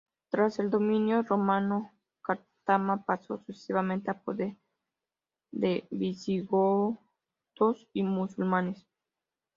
Tras el dominio romano, Cártama pasó sucesivamente a poder de visigodos y musulmanes.